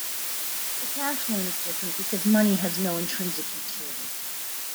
The cash loan is different because "money has no intrinsic utility".